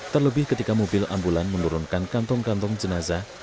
terlebih ketika mobil ambulan menurunkan kantong kantong jenazah